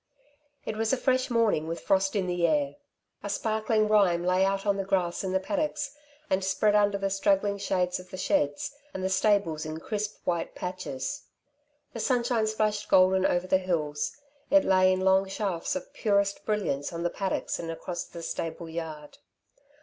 It was a fresh morning with frost in the air. A sparkling rime lay out on the grass in the paddocks and spread under the straggling shade of the sheds and the stables in crisp white patches. The sunshine splashed golden over the hills; it lay in long shafts of purest brilliance on the paddocks and across the stable yard.